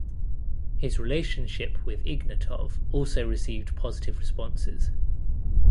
His relationship with Ignatov also received positive responses.